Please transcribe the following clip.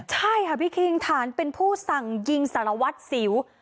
ใช่ค่ะพี่คิงฐานเป็นผู้สั่งยิงสารวัตรสิว